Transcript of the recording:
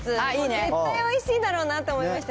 絶対おいしいだろうなと思いました。